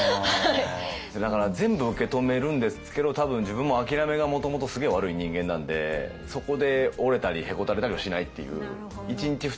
だから全部受け止めるんですけど多分自分もあきらめがもともとすげえ悪い人間なんでそこで折れたりへこたれたりはしないっていう。